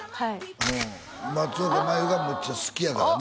うん松岡茉優がむっちゃ好きやからね